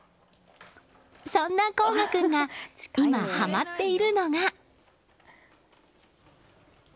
そんな琥雅君が今、ハマっているのが。